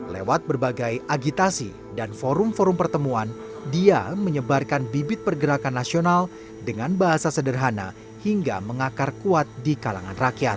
lewat berbagai agitasi dan forum forum pertemuan dia menyebarkan bibit pergerakan nasional dengan bahasa sederhana hingga mengakar kuat di kalangan rakyat